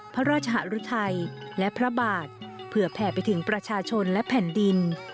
พระราชหารุทัยและพระบาทเผื่อแผ่ไปถึงประชาชนและแผ่นดิน